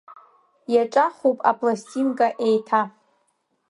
Иаҿахуп апластинка еиҭа…